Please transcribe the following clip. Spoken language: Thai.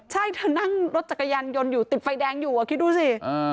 ใช่เธอนั่งรถจักรยานยนต์อยู่ติดไฟแดงอยู่คิดดูสิ